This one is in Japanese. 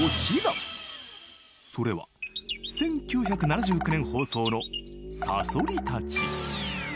［それは１９７９年放送の『さそりたち』］